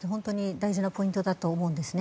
大事なポイントだと思うんですね。